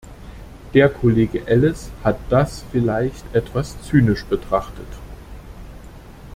Der Kollege Elles hat das vielleicht etwas zynisch betrachtet.